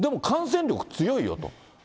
感染力強いよと。